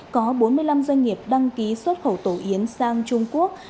có bốn mươi năm doanh nghiệp đăng ký xuất khẩu tổ yến sang trung quốc